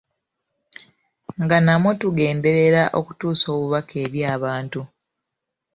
Nga namwo tugenderera okutuusa obubaka eri abantu.